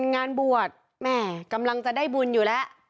งานบวชแม่กำลังจะได้บุญอยู่แล้ว